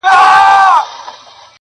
د دې وطن د شمله ورو قدر څه پیژني،